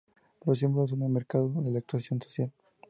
Los símbolos son el marco de la actuación social.